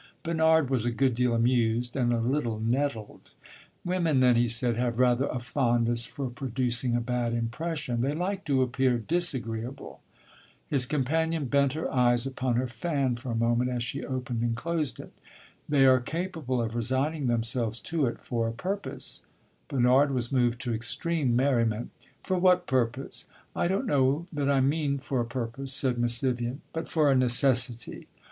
Bernard was a good deal amused, and a little nettled. "Women, then," he said, "have rather a fondness for producing a bad impression they like to appear disagreeable?" His companion bent her eyes upon her fan for a moment as she opened and closed it. "They are capable of resigning themselves to it for a purpose." Bernard was moved to extreme merriment. "For what purpose?" "I don't know that I mean for a purpose," said Miss Vivian; "but for a necessity."